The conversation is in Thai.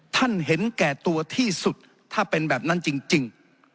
เห็นแก่ตัวที่สุดถ้าเป็นแบบนั้นจริง